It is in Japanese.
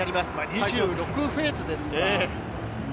２６フェーズですか。